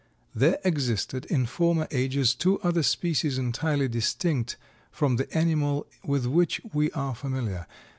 There existed in former ages two other species entirely distinct from the animal with which we are familiar.